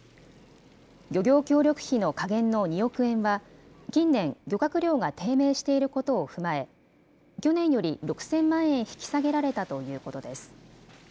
漁業協力費の下限の２億円は、近年、漁獲量が低迷していることを踏まえ、去年より６０００万円引き下げられたということです。